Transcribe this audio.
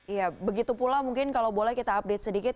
ya begitu pula mungkin kalau boleh kita update sedikit